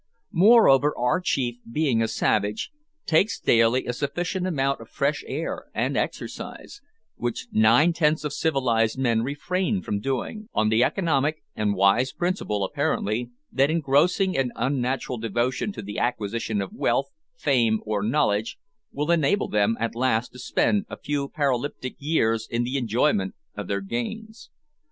Moreover, our chief, being a savage, takes daily a sufficient amount of fresh air and exercise, which nine tenths of civilised men refrain from doing, on the economic and wise principle, apparently, that engrossing and unnatural devotion to the acquisition of wealth, fame, or knowledge, will enable them at last to spend a few paralytic years in the enjoyment of their gains.